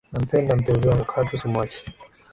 Nampenda mpenzi wangu katu simwachi.